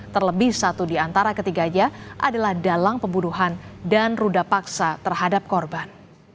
terlebih satu di antara ketiganya adalah dalang pembunuhan dan ruda paksa terhadap korban